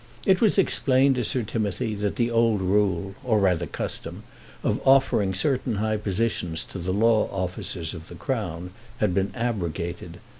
It was explained to Sir Timothy that the old rule, or rather custom, of offering certain high positions to the law officers of the Crown had been abrogated.